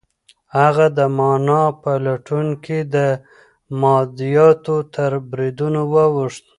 هغه د مانا په لټون کې د مادیاتو تر بریدونو واوښت.